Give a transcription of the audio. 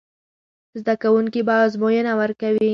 زده کوونکي به ازموینه ورکوي.